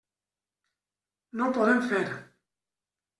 No ho podem fer.